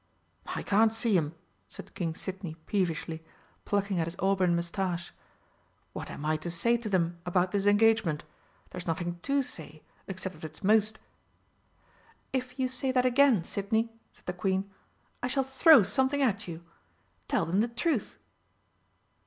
"I can't see 'em," said King Sidney peevishly, plucking at his auburn moustache. "What am I to say to them about this engagement? There's nothing to say except that it's most " "If you say that again, Sidney," said the Queen, "I shall throw something at you! Tell them the truth."